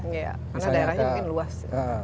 karena daerahnya mungkin luas